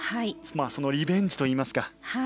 そのリベンジといいますか。